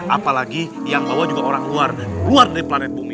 apalagi yang bawa juga orang luar dari planet bumi